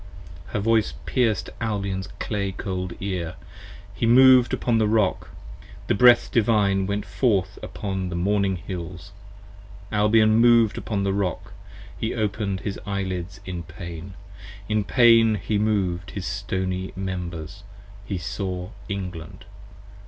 p. 95 HER voice pierc'd Albion's clay cold ear, he moved upon the Rock: The Breath Divine went forth upon the morning hills, Albion mov'd Upon the Rock, he open'd his eyelids in pain; in pain he mov'd His stony members, he saw England.